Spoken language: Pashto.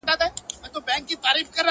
د دوو مخکنيو فضا ګانو سره توپير لري